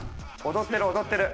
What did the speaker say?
踊ってる踊ってる。